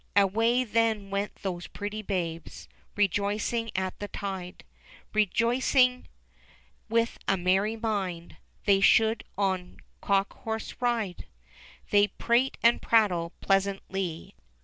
Away then went those pretty babes, Rejoicing at that tide. Rejoicing with a merry mind They should on cock horse ride. They prate and prattle pleasantly.